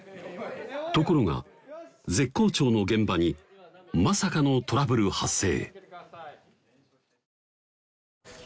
ところが絶好調の現場にまさかのトラブル発生